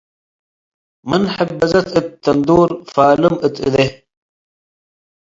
ምን ሕበዘት እት ተንዱር፣ ፍላም እት እዴ።